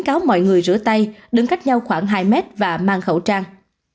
cáo mọi người rửa tay đứng cách nhau khoảng hai mét và mang khẩu trang